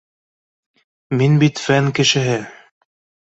— Мин бит фән кешеһе